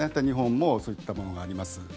日本もそういったものがあります。